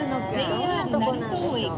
どんな所なんでしょう？